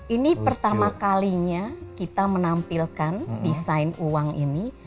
ini pertama kalinya kita menampilkan desain uang ini